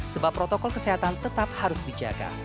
sebab protokol kesehatan tetap harus dijaga